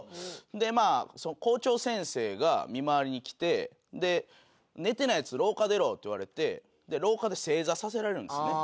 でまあ校長先生が見回りに来て「寝てないヤツ廊下出ろ」って言われてで廊下で正座させられるんですね